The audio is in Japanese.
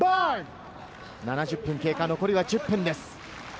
７０分経過、残りは１０分です。